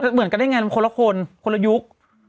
เหมือนกันได้ไงมันคนละคนคนละยุค